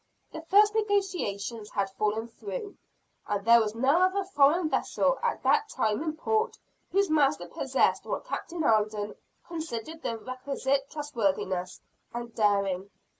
The first negotiations had fallen through, and there was no other foreign vessel at that time in port whose master possessed what Captain Alden considered the requisite trustworthiness and daring.